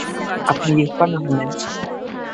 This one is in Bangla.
আপনি ইরফান আহমেদ।